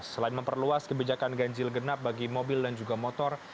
selain memperluas kebijakan ganjil genap bagi mobil dan juga motor